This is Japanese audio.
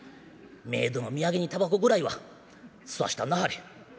冥土の土産にたばこぐらいは吸わしたんなはれ」。